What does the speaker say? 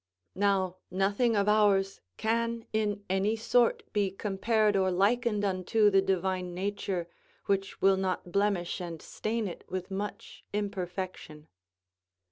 Now nothing of ours can in any sort be compared or likened unto the divine nature, which will not blemish and stain it with much imperfection.